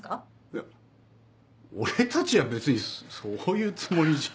いや俺たちは別にそういうつもりじゃ。